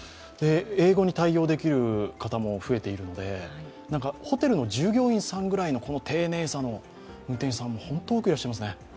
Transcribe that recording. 英語に対応できる方も増えているので、ホテルの従業員さんぐらいの丁寧さの運転手さんも本当多くいらっしゃいますね。